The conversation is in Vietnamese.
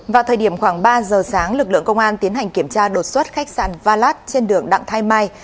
vào thời điểm khoảng ba giờ sáng lực lượng công an tiến hành kiểm tra đột xuất khách sạn valad trên đường đặng thái mai